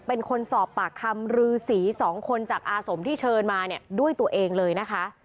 เป็นคนสอบปากคำรือสีสองคนจากอาสมที่เชิญมาเนี่ยด้วยตัวเองเลยนะคะ